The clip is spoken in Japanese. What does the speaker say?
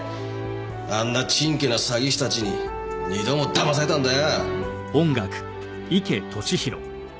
あんなちんけな詐欺師たちに２度もだまされたんだよ！